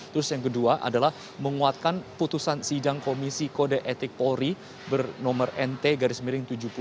terus yang kedua adalah menguatkan putusan sidang komisi kode etik polri bernomor nt garis miring tujuh puluh dua